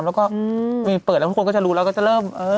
แล้วก็มีเปิดแล้วทุกคนก็จะรู้แล้วก็จะเริ่ม